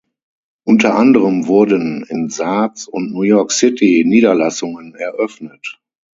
Unter anderem wurden in Saaz und New York City Niederlassungen eröffnet.